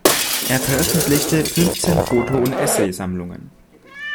Er veröffentlichte fünfzehn Foto- und Essay-Sammlungen.